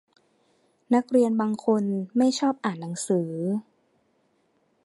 นักเรียนบางคนไม่ชอบอ่านหนังสือ